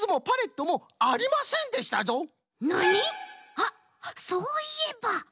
あっそういえば。